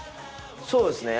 そうですね。